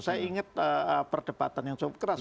saya ingat perdebatan yang cukup keras